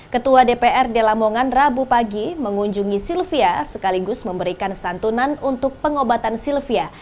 ketua dprd lamongan rabu pagi mengunjungi sylvia sekaligus memberikan santunan untuk pengobatan sylvia